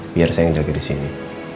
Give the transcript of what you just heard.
biar sayang jaga di sini